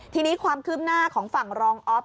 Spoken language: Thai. ทีนี้ความคืบหน้าของฝั่งรองออฟ